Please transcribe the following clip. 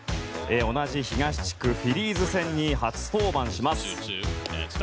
同じ東地区、フィリーズ戦に初登板します。